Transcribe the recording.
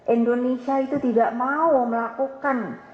indonesia itu tidak mau melakukan